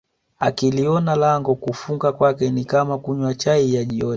akiliona lango kufunga kwake ni kama kunywa chai ya jioni